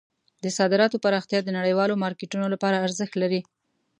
د صادراتو پراختیا د نړیوالو مارکیټونو لپاره ارزښت لري.